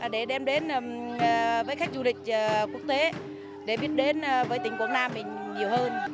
để đem đến với khách du lịch quốc tế để biết đến với tỉnh quảng nam mình nhiều hơn